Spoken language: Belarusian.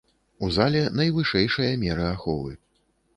У зале найвышэйшыя меры аховы.